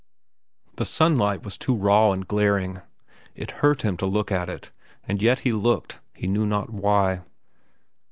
The sunlight was too raw and glaring. It hurt him to look at it, and yet he looked, he knew not why.